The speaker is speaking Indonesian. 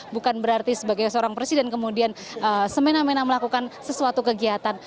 bukan berarti sebagai seorang presiden kemudian semena mena melakukan sesuatu kegiatan